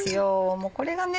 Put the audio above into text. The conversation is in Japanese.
もうこれがね